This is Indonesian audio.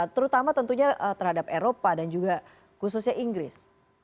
terutama tentunya terhadap eropa dan juga khususnya inggris